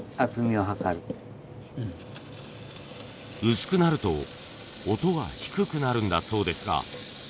薄くなると音が低くなるんだそうですが。